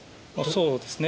そうですね。